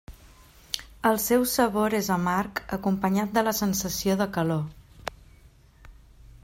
El seu sabor és amarg acompanyat de la sensació de calor.